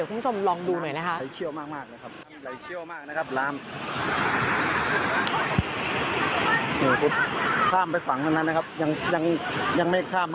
คุณผู้ชมลองดูหน่อยนะคะ